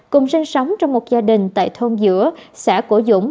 cùng sinh sống trong một gia đình tại thôn giữa xã cổ dũng